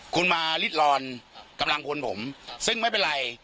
คุณมาริดรอนกำลังพลผมซึ่งไม่เป็นไร